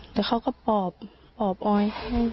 แต่เขาก็ปอบปอบออย